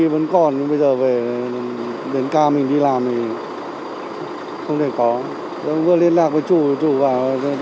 vừa liên lạc với chủ chủ vào